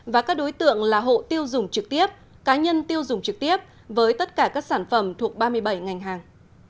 và các đối tượng là hộ tiêu dùng trực tiếp cá nhân tiêu dùng trực tiếp với tất cả các sản phẩm thuộc ba mươi bảy ngành hàng